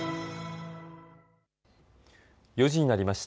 ４時になりました。